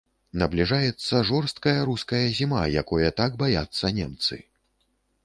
Набліжаецца жорсткая руская зіма, якое так баяцца немцы.